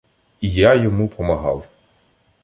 І я йому помагав.